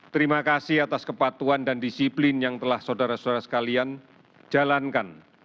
terima kasih atas kepatuan dan disiplin yang telah saudara saudara sekalian jalankan